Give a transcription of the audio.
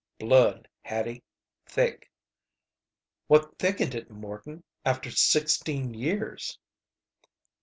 "Blood, Hattie. Thick." "What thickened it, Morton after sixteen years?"